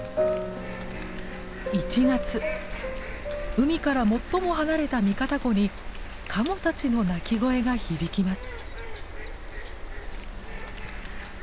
海から最も離れた三方湖にカモたちの鳴き声が響きます。